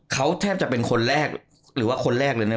เขาแทบจะเป็นคนแรกหรือว่าคนแรกเลยนะ